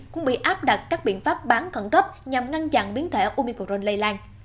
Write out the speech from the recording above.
cũng bị áp đặt các biện pháp bán khẩn cấp nhằm ngăn chặn biến thể umicron lây lan